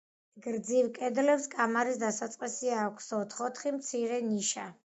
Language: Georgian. გრძივ კედლებს კამარის დასაწყისში აქვს ოთხ-ოთხი მცირე ნიშა.